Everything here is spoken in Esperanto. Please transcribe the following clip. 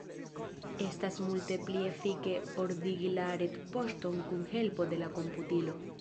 Estas multe pli efike ordigi la retpoŝton kun helpo de la komputilo.